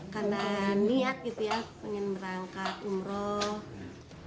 karena niat gitu ya pengen berangkat umroh